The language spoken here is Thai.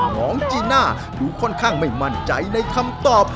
น้องจีน่าดูค่อนข้างไม่มั่นใจในคำตอบ